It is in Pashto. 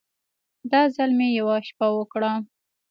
دا ځل مې يوه شپه وکړه.